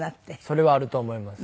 それはあると思います。